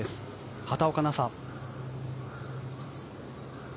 畑岡奈紗。